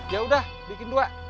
ya udah bikin dua